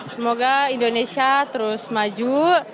semoga indonesia terus maju